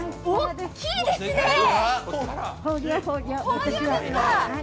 大きいですね。